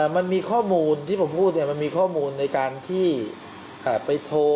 มันมีข้อมูลที่ผมพูดมันมีข้อมูลในการที่ไปโชว์